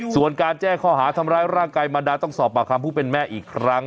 ส่วนการแจ้งข้อหาทำร้ายร่างกายมารดาต้องสอบปากคำผู้เป็นแม่อีกครั้ง